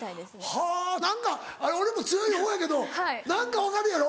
はぁ何か俺も強いほうやけど何か分かるやろ？